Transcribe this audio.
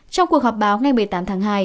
trong cuộc họp báo ngày một mươi tám tháng hai